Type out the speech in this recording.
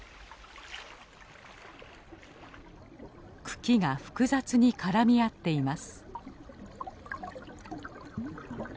茎が複雑に絡み合っています。